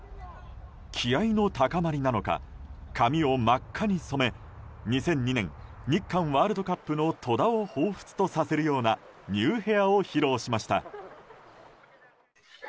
気合の高まりなのか髪を真っ赤に染め２００２年日韓ワールドカップの戸田をほうふつとさせるようなニューヘアを披露しました。